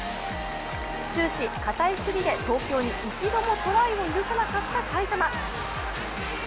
終始、堅い守備で東京に一度もトライを許さなかった埼玉。